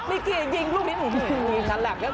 มิกิยิงลูกนิดโอ้โหมิกิยิงทันแล้วครับ